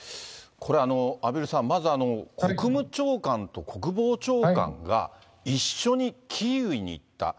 これ、畔蒜さん、まず国務長官と国防長官が一緒にキーウに行った。